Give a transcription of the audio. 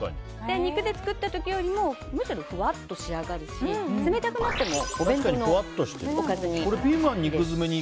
肉で作った時よりもむしろ、ふわっと仕上がるし冷たくなってもお弁当のおかずに。